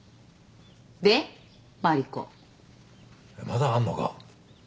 まだあんのか？